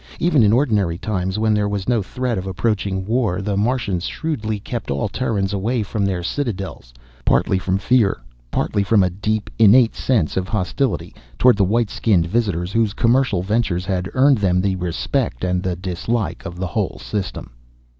Even in ordinary times, when there was no threat of approaching war, the Martians shrewdly kept all Terrans away from their citadels, partly from fear, partly from a deep, innate sense of hostility toward the white skinned visitors whose commercial ventures had earned them the respect, and the dislike, of the whole system.